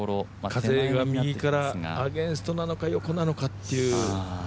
風が右からアゲンストなのか横なのかっていう。